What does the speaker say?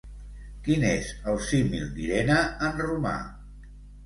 Quin és el símil d'Irene en romà?